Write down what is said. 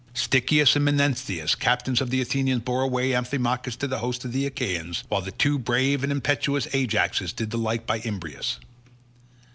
Stichius and Menestheus, captains of the Athenians, bore away Amphimachus to the host of the Achaeans, while the two brave and impetuous Ajaxes did the like by Imbrius.